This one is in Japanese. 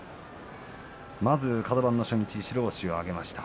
まず白星カド番の御嶽海が白星を挙げました。